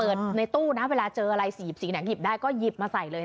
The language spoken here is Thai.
เปิดในตู้เวลาเจออะไรสีหยิบสีหยิบได้ก็หยิบมาใส่เลย